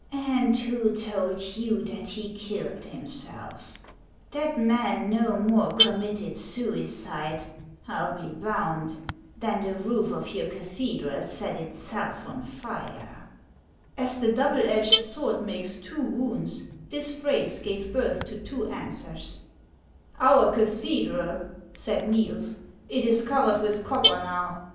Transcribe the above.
" And who told you that he killed himself ? That man no more committed suicide, I '11 be bound, than the roof of your cathedral set itself on fire." As the double edged sword makes two wounds, this phrase gave birth to two answers. " Our cathedral !" said Niels ;" it is covered with copper now.